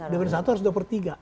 dpd satu harus dua per tiga